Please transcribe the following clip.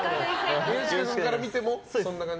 宮近君から見てもそんな感じ？